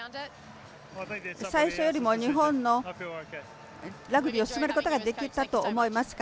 最初よりも日本のラグビーを進めることができたと思いますか？